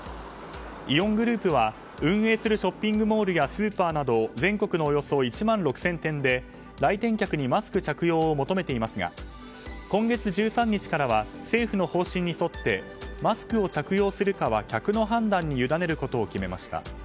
イオングループは運営するショッピングモールやスーパーなど全国のおよそ１万６０００店で来店客にマスク着用を求めていますが今月１３日からは政府の方針に沿ってマスクを着用するかは客の判断に委ねることを決めました。